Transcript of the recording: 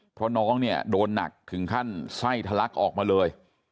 เพราะน้องเนี่ยโดนหนักถึงขั้นไส้ทะลักออกมาเลย